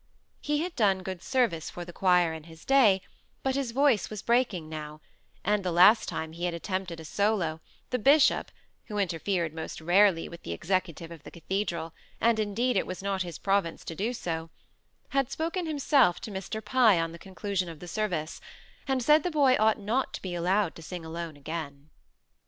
He had done good service for the choir in his day, but his voice was breaking now; and the last time he had attempted a solo, the bishop (who interfered most rarely with the executive of the cathedral; and, indeed, it was not his province to do so) had spoken himself to Mr. Pye on the conclusion of the service, and said the boy ought not to be allowed to sing alone again.